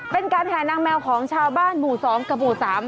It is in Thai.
เป็นการแห่นางแมวของชาวบ้านหมู่๒กับหมู่๓